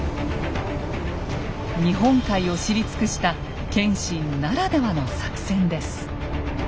日本海を知り尽くした謙信ならではの作戦です。